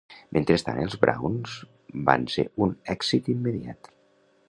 Mentrestant, els Browns van ser un èxit immediat.